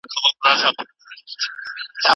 ایا ته غواړې چې له ما سره یو بل ځای ته لاړ شې؟